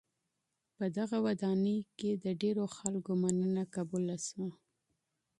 په دغه ودانۍ کي د ډېرو خلکو مننه قبوله سوه.